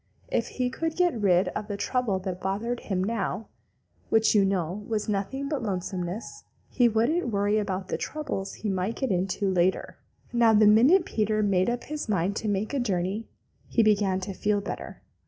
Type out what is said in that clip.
If he could get rid of the trouble that bothered him now, which, you know, was nothing but lonesomeness, he wouldn't worry about the troubles he might get into later. Now the minute Peter made up his mind to make a journey, he began to feel better.